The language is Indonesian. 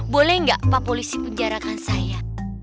boleh nggak pak polisi penjarakan saya